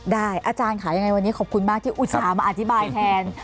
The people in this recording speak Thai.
อาจารย์ค่ะยังไงวันนี้ขอบคุณมากที่อุตส่าห์มาอธิบายแทน